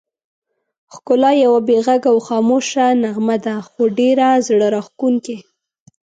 ښکلا یوه بې غږه او خاموشه نغمه ده، خو ډېره زړه راښکونکې.